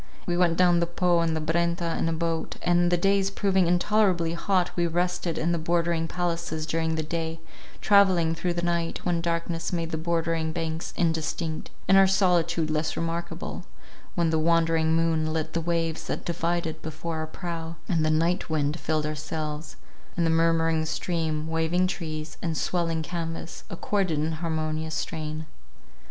Adrian had never seen it. We went down the Po and the Brenta in a boat; and, the days proving intolerably hot, we rested in the bordering palaces during the day, travelling through the night, when darkness made the bordering banks indistinct, and our solitude less remarkable; when the wandering moon lit the waves that divided before our prow, and the night wind filled our sails, and the murmuring stream, waving trees, and swelling canvass, accorded in harmonious strain.